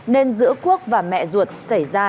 nên giữa quốc và mẹ ruột xảy ra